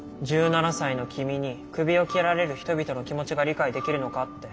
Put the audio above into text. １７才の君にクビを切られる人々の気持ちが理解できるのかって。